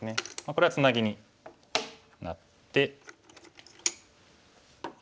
これはツナギになって。